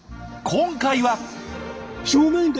今回は！